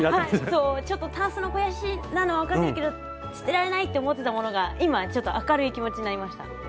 そうちょっとたんすの肥やしなのはわかってるけど捨てられないって思ってたものが今ちょっと明るい気持ちになりました。